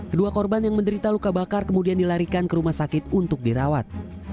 kedua korban yang menderita luka bakar kemudian dilarikan ke rumah sakit untuk dirawat